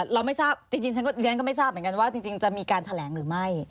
เราไม่ทราบจริงเรียนก็ไม่ทราบเหมือนกันว่าจริงจะมีการแถลงหรือไม่